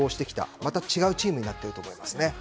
全く違うチームになっていると思います。